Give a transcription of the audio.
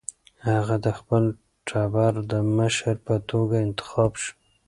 هغه د خپل ټبر د مشر په توګه انتخاب شو.